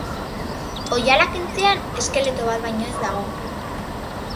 Oihala kentzean eskeleto bat baino ez dago.